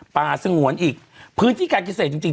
ป่าสงวนอีกพื้นที่การกิเศษจริง